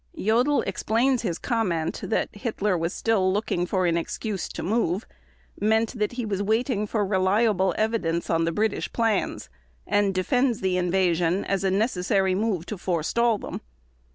Jodl explains his comment that Hitler was still looking for an "excuse" to move meant he was waiting for reliable intelligence on the British plans, and defends the invasion as a necessary move to forestall them.